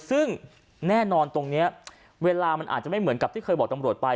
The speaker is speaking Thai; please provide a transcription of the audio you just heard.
ซึ่งแน่นอนตรงนี้เวลามันอาจจะไม่เหมือนกับที่เคยบอกตำรวจไป